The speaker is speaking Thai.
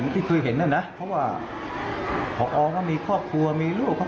ที่ลึกหนาบาทั้งนั้นใช่ไหม